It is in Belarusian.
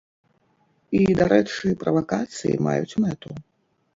І, дарэчы, правакацыі маюць мэту.